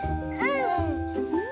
うん！